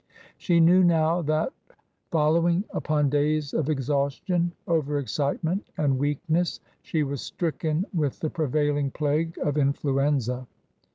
She knew now that, following upon days of exhaustion, over excitement, and weakness, she was stricken with the prevailing plague of influenza.